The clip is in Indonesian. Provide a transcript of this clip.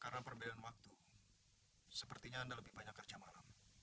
karena perbedaan waktu sepertinya anda lebih banyak kerja malam